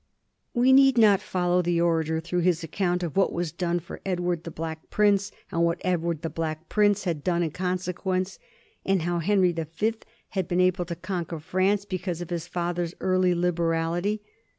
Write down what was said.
We need not follow the orator through his account of what was done for Edward the Black Prince, and what Edward the Black Prince had done in consequence ; and how Henry the Fifth had been able to conquer France because of his father's early liberality.